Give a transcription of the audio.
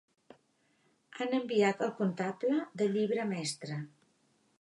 Han enviat al comptable de llibre mestre.